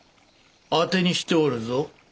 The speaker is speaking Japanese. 当てにしておるぞ。